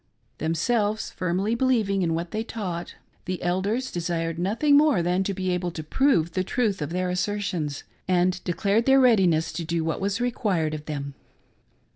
Themselves firmly believing *in what they taught, the ANOINTING THE SICK, 8 1 Elders desired nothing more than to be able to prove the truth of their assertions, and declared their readiness to do what was required of them.